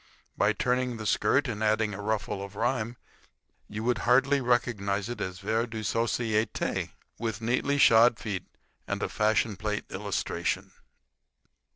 By turning the skirt and adding a ruffle of rhyme you would hardly recognize it as vers de societe with neatly shod feet and a fashion plate illustration.